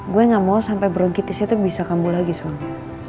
gue gak mau sampai bronkitisnya tuh bisa kambul lagi soalnya